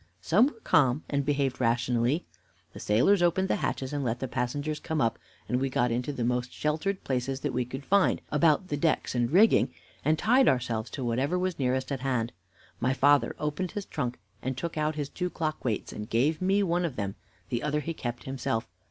Some were calm, and behaved rationally. The sailors opened the hatches and let the passengers come up, and we got into the most sheltered places that we could find about the decks and rigging, and tied ourselves to whatever was nearest at hand. My father opened his trunk and took out his two clock weights, and gave me one of them; the other he kept himself.